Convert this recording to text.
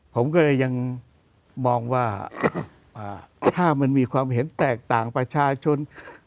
ผมก็เลยยังมองว่าถ้ามันมีความเห็นแตกต่างประชาชน